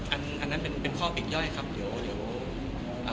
อันนั้นเป็นข้อปิดย่อยครับเดี๋ยวยังไม่ได้สรุปกันครับ